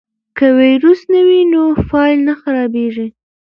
که ویروس نه وي نو فایل نه خرابېږي.